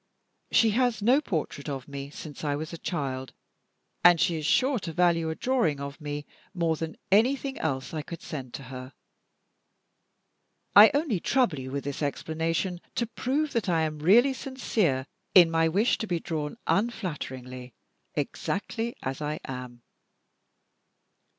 She has no portrait of me since I was a child, and she is sure to value a drawing of me more than anything else I could send to her. I only trouble you with this explanation to prove that I am really sincere in my wish to be drawn unflatteringly, exactly as I am."